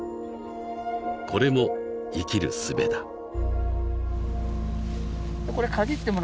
［これも生きるすべだ］え？